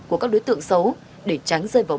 của các đối tượng xấu để tránh rơi vào